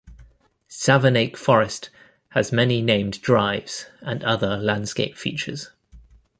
Savernake Forest has many named drives and other landscape features.